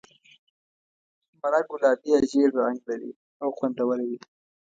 مڼه ګلابي یا ژېړ رنګ لري او خوندوره وي.